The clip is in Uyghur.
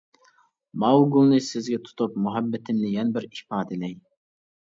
ماۋۇ گۈلنى سىزگە تۇتۇپ، مۇھەببىتىمنى يەنە بىر ئىپادىلەي.